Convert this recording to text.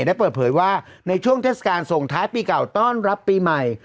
ได้เปิดเผยว่าในช่วงเทศกาลส่งท้ายปีเก่าต้อนรับปีใหม่